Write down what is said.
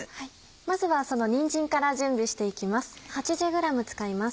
まずはそのにんじんから準備していきます。